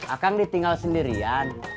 akang ditinggal sendirian